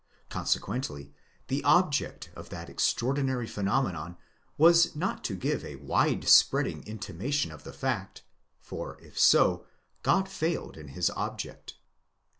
Consequently, the object of that extraordinary phenomenon was not to give a wide spreading intimation of the fact; for if so, God failed in his object.